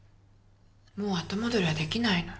もう後戻りは出来ないの。